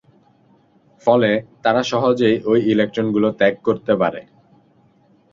ফলে, তারা সহজেই ওই ইলেকট্রন গুলো ত্যাগ করতে পারে।